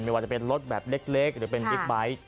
ว่าจะเป็นรถแบบเล็กหรือเป็นบิ๊กไบท์